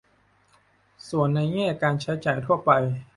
ส่วนในแง่การใช้จ่ายทั่วไป